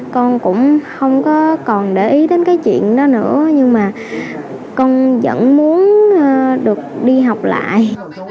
con cũng không còn để ý đến cái chuyện đó nữa nhưng mà con vẫn muốn được đi học lại